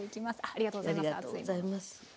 ありがとうございます熱いもの。